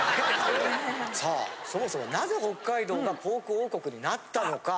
・さあそもそもなぜ北海道がポーク王国になったのか。